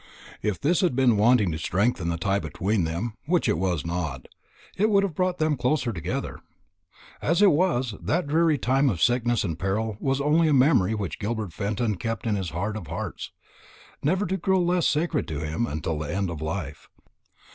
If this had been wanting to strengthen the tie between them which it was not it would have brought them closer together. As it was, that dreary time of sickness and peril was only a memory which Gilbert Fenton kept in his heart of hearts, never to grow less sacred to him until the end of life.